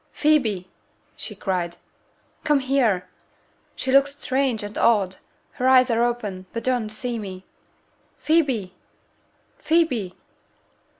'Phoebe!' she cried, 'come here! She looks strange and odd; her eyes are open, but don't see me. Phoebe! Phoebe!'